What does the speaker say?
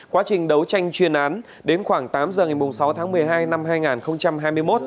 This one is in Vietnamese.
quá trình đấu tranh chuyên án đến khoảng tám giờ ngày sáu tháng một mươi hai năm hai nghìn hai mươi một